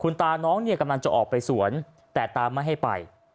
ตาน้องเนี่ยกำลังจะออกไปสวนแต่ตาไม่ให้ไป